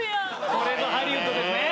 これぞハリウッドですね。